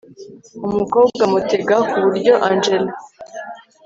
umukobwa mutega kuburyo angella